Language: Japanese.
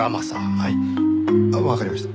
はいわかりました。